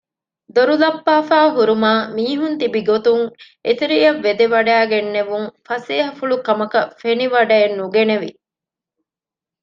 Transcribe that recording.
ދޮރުލައްޕާފައި ހުރުމާ މީހުންތިބިގޮތުން އެތެރެޔަށް ވެދެވަޑައިގެންނެވުން ފަސޭހަފުޅުކަމަކަށް ފެނިވަޑައެއް ނުގެނެވި